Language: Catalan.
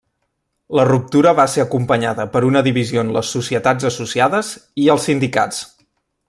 La ruptura va ser acompanyada per una divisió en les societats associades i els sindicats.